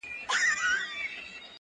را ژوندی سوی يم، اساس يمه احساس يمه~